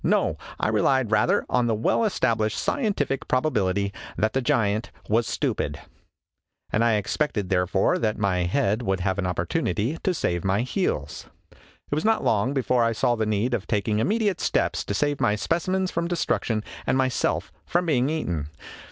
No ; I relied, rather, on the well established scientific probability that the giant was stupid. I expected, therefore, that my head would have an opportunity to save my heels. 125 126 IMAGINOTIONS It was not long before I saw the need of taking immediate steps to save my specimens from destruction and myself from being eaten.